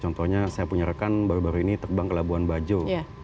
contohnya saya punya rekan baru baru ini terbang ke labuan bajo